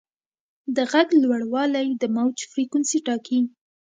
د غږ لوړوالی د موج فریکونسي ټاکي.